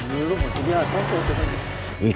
belum masih di atas